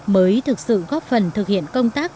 mới thực sự góp phần thực hiện công tác